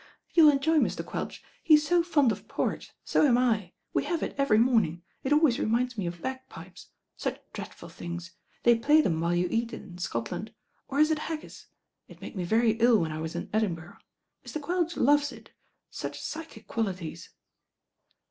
"You'll enjoy Mr. Quelch. He's so fond of por ridge, so am I. We have it every morning. It always reminds me of bag pipes. Such dreadful things. They play them while you ei»t it in Scot land. Or is it haggis? It made me very ill when I was in Edinburgh. Mr. Quelch loves it. Such psychic qualities."